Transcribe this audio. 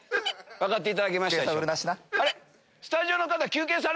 分かっていただけましたか？